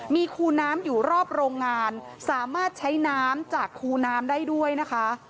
มีคูน้ำอยู่รอบโรงงานสามารถใช้น้ำจากคูน้ำได้ด้วยนะคะ